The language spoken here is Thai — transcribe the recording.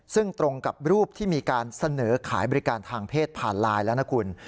ซึ่งตรงกับรูปที่มีการเสนอขายบริการทางเพศผ่านไลน์แล้วนะคุณ